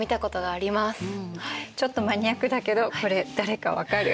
ちょっとマニアックだけどこれ誰か分かる？